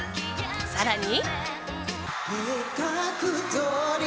更に。